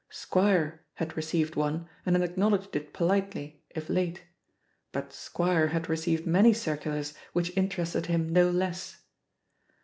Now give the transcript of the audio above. "Squire" had received one and had acknowledged it politely, if late; but "Squire" had received many circulars which interested him no less.